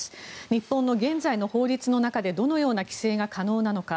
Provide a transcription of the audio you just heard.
日本の現在の法律の中でどのような規制が可能なのか